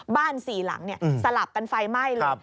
บ้านสี่หลังสลับเป็นไฟไหม้เลย